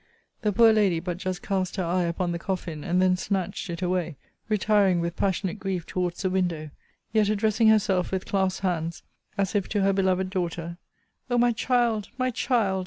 The poor lady but just cast her eye upon the coffin, and then snatched it away, retiring with passionate grief towards the window; yet, addressing herself, with clasped hands, as if to her beloved daughter: O my Child, my Child!